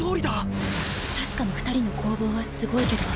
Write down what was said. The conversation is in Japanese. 確かに２人の攻防はすごいけど剣心